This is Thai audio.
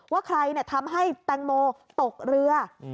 ว่าใครทำให้แตงโมตกเรือ